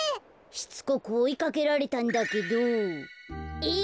しつこくおいかけられたんだけど「えい！